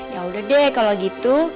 ya udah deh kalau gitu